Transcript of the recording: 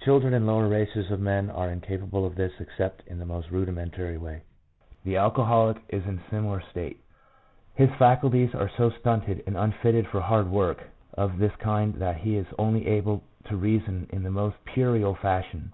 Children and lower races of men are incapable of this except in the most rudi mentary way. The alcoholic is in a similar state ; his faculties are so stunted and unfitted for hard work of this kind that he is only able to reason in the most puerile fashion.